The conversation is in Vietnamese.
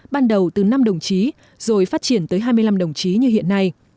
ban đầu từ năm đồng chí rồi phát triển tới hai mươi năm đồng chí như hiện nay